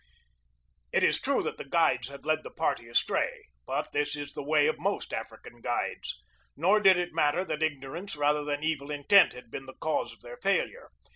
It is true that the guides had led the party astray; but this is the way of most African guides. Nor did it matter that ignorance rather than evil intent had been the cause of their failure.